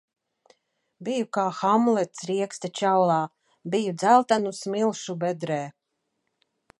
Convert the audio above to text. Biju kā Hamlets rieksta čaulā. Biju dzeltenu smilšu bedrē.